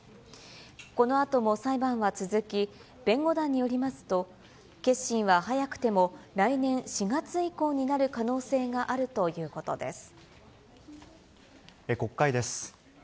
このあとも裁判は続き、弁護団によりますと、結審は早くても、来年４月以降になる可能性がある国会です。